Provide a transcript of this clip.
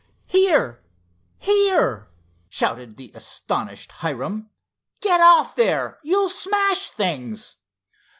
"Here! here!" shouted the astonished Hiram, "get off there. You'll smash things."